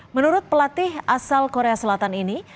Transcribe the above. menurut pelatih asal korea selatan ini